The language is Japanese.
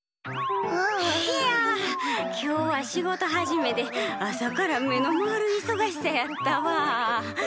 いや今日は仕事始めで朝から目の回るいそがしさやったわ。